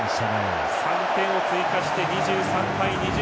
３点を追加して２３対２０。